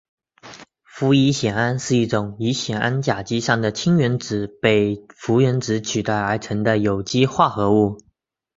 氟乙酰胺是一种乙酰胺甲基上的氢原子被氟原子取代而成的有机化合物。